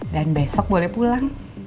dan besok boleh pulang